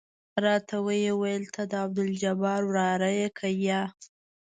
راته ويې ويل ته د عبدالجبار وراره يې که يه.